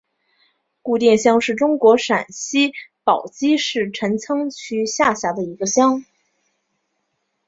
胡店乡是中国陕西省宝鸡市陈仓区下辖的一个乡。